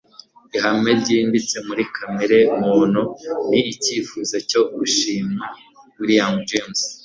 ihame ryimbitse muri kamere muntu ni icyifuzo cyo gushimwa - william james